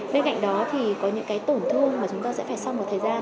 bên cạnh đó thì có những cái tổn thương mà chúng ta sẽ phải sau một thời gian